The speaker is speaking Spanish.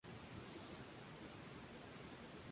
Al final, las mujeres se congregan para atacarlo.